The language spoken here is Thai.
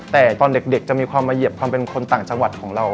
แต่ตอนเด็กจะมีความมาเหยียบความเป็นคนต่างจังหวัดของเรา